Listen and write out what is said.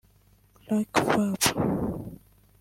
Luck Fab